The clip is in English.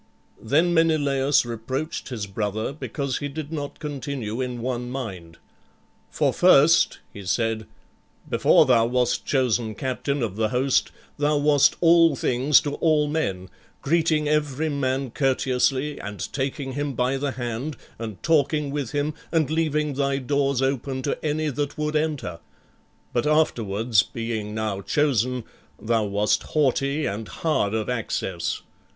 Then Menelaüs reproached his brother because he did not continue in one mind. "For first," he said, "before thou wast chosen captain of the host, thou wast all things to all men, greeting every man courteously, and taking him by the hand, and talking with him, and leaving thy doors open to any that would enter; but afterwards, being now chosen, thou wast haughty and hard of access.